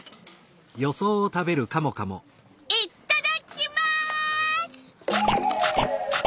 いっただっきます！